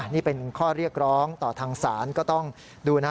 นี่เป็นข้อเรียกร้องต่อทางศาลก็ต้องดูนะ